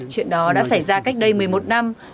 chuyện đó đã xảy ra cách đây một mươi một năm